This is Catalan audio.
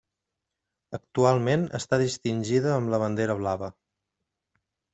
Actualment està distingida amb la bandera blava.